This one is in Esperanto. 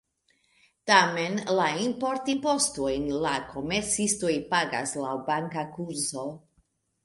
Tamen, la importimpostojn la komercistoj pagas laŭ banka kurzo.